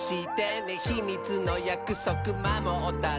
「ひみつのやくそくまもったら」